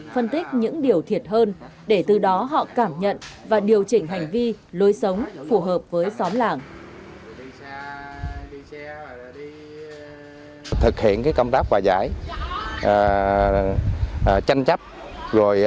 phân tích những điều thiệt hơn để từ đó họ cảm nhận và điều chỉnh hành vi lối sống phù hợp với xóm làng